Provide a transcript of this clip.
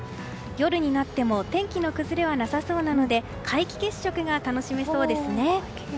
夜になっても天気の崩れはなさそうなので皆既月食が楽しめそうですね。